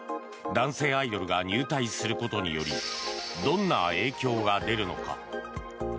男性アイドルが入隊することによりどんな影響が出るのか。